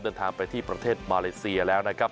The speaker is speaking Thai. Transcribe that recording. เดินทางไปที่ประเทศมาเลเซียแล้วนะครับ